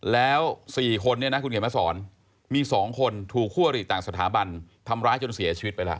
แล้วสี่คนนี้นะคุณเห็นไหมสอนมีสองคนถูกคั่วหรี่ต่างสถาบันทำร้ายจนเสียชีวิตไปล่ะ